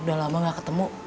udah lama nggak ketemu